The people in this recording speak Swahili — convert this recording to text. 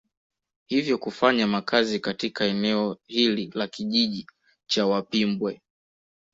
Hivyo kufanya makazi katika eneo hili la kijiji cha Wapimbwe